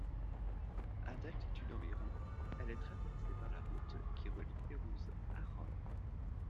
À d'altitude environ, elle est traversée par la route qui relie Pérouse à Rome.